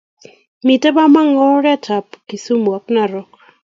Mite bamongo oret ab Kisumu ak narok